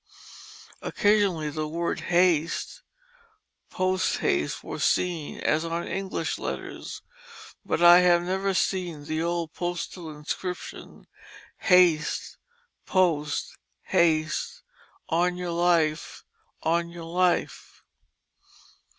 Occasionally the words "Haste! post haste!" were seen, as on English letters, but I have never seen the old postal inscription, "Haste! post, haste! on your Life! on your Life!"